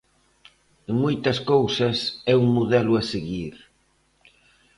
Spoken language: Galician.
En moitas cousas é un modelo a seguir.